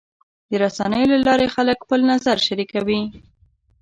د رسنیو له لارې خلک خپل نظر شریکوي.